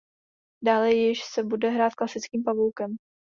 Dále již se bude hrát klasickým pavoukem.